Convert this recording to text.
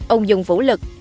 ông dùng vũ lực